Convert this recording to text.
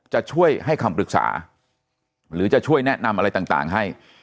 จะช่วยให้คำปรึกษาหรือจะช่วยแนะนำอะไรต่างให้